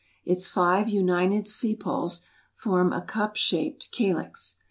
Its five united sepals form a cup shaped calyx.